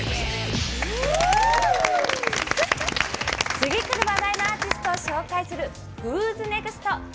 次くる話題のアーティストを紹介する「ＷＨＯ’ＳＮＥＸＴ！？」。